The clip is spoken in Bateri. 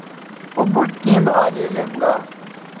او بُٹ کیں بھالے لیم گا